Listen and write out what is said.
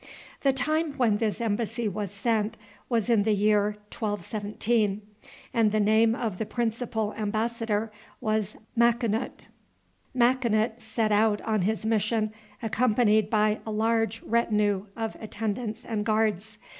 The time when this embassy was sent was in the year 1217, and the name of the principal embassador was Makinut. Makinut set out on his mission accompanied by a large retinue of attendants and guards.